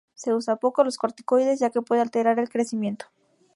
Se usa poco los corticoides ya que puede alterar el crecimiento.